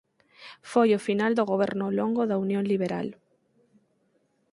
Foi o final do "goberno longo" da Unión Liberal.